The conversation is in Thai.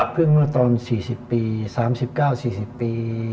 เมื่อตอน๔๐ปี๓๙๔๐ปี